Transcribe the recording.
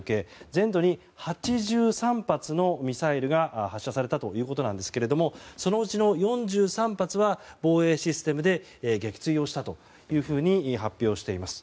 全土に８３発のミサイルが発射されたということですけどもそのうちの４３発は防衛システムで撃墜をしたと発表しています。